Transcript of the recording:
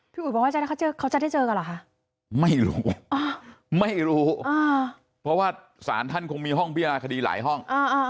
พี่อุ๊ยบอกว่าเขาจะได้เจอกันเหรอคะไม่รู้เพราะว่าสารท่านคงมีห้องพิมพาคดีหลายห้อง